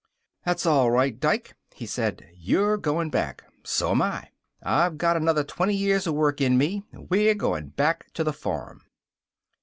"That's all right, Dike," he said. "You're going back. So'm I. I've got another twenty years of work in me. We're going back to the farm."